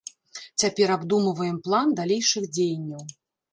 Цяпер абдумваем план далейшых дзеянняў.